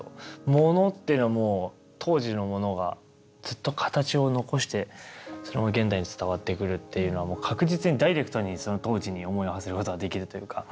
物っていうのも当時のものがずっと形を残してそれが現代に伝わってくるっていうのはもう確実にダイレクトにその当時に思いをはせることができるというか。